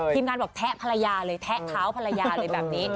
งานบอกแทะภรรยาเลยแทะเท้าภรรยาเลยแบบนี้